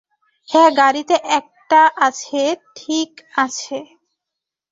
হ্যা, গাড়িতে একটা আছে ঠিক আছে।